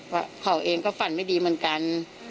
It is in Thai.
ว่าเขาเองก็ฝันไม่ดีเหมือนกัน